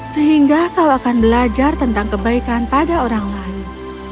sehingga kau akan belajar tentang kebaikan pada orang lain